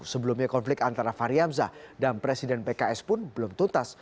sebelumnya konflik antara fahri hamzah dan presiden pks pun belum tuntas